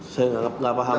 saya enggak paham